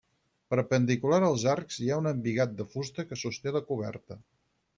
Perpendicular als arcs hi ha un embigat de fusta que sosté la coberta.